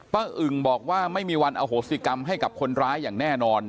อึ่งบอกว่าไม่มีวันอโหสิกรรมให้กับคนร้ายอย่างแน่นอน